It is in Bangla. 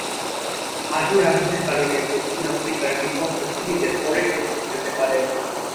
হাঁটুর আঘাতের কারণে দক্ষিণ আফ্রিকার বিপক্ষে সিরিজের পরের টেস্টে খেলতে পারেননি।